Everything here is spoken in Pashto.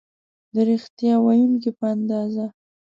د ریښتیا ویونکي په اندازه